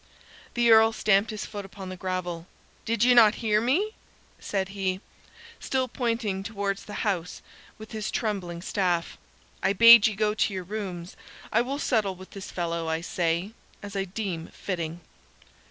The Earl stamped his foot upon the gravel. "Did ye not hear me?" said he, still pointing towards the house with his trembling staff. "I bade ye go to your rooms. I will settle with this fellow, I say, as I deem fitting."